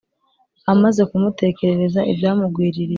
amaze kumutekerereza ibyamugwiririye,